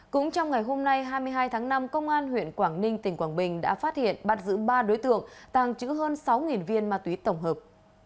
cũng trong ngày hôm nay hai mươi hai tháng năm công an huyện quảng ninh tỉnh quảng bình đã phát hiện bắt giữ ba đối tượng tàng trữ hơn sáu viên ma túy tổng hợp